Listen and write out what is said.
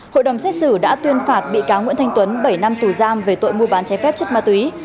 hội đồng xét xử đã tuyên phạt bị cáo nguyễn thanh tuấn bảy năm tù giam về tội mua bán trái phép chất ma túy